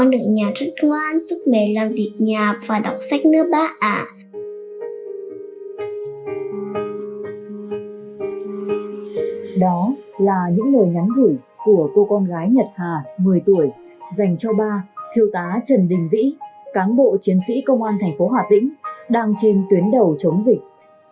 đó là những lời nhắn gửi của cô con gái nhật hà một mươi tuổi dành cho ba thiêu tá trần đình vĩ cán bộ chiến sĩ công an tp hòa tĩnh đang trên tuyến đầu chống dịch